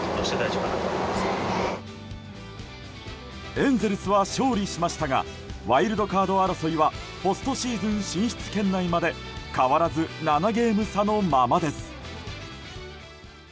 エンゼルスは勝利しましたがワイルドカード争いはポストシーズン進出圏内まで変わらず７ゲーム差のままです。